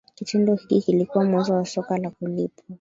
Kitendo hiki kilikuwa mwanzo wa soka la kulipwa